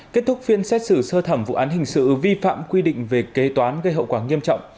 kết thúc phiên xét xử sơ thẩm vụ án hình sự vi phạm quy định về kế toán gây hậu quả nghiêm trọng